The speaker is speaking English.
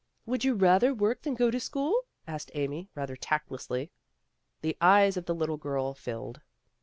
"Would you rather work than go to school?" asked Amy, rather tactlessly. The eyes of the little girl filled.